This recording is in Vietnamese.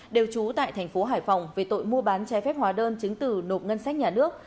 đều trú tại thành phố hải phòng về tội mua bán trái phép hóa đơn chứng từ nộp ngân sách nhà nước